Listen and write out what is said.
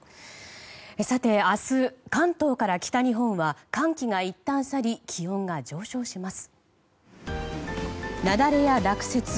さて、明日、関東から北日本は寒気がいったん去り気温が上昇します。